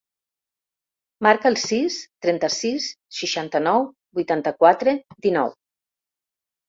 Marca el sis, trenta-sis, seixanta-nou, vuitanta-quatre, dinou.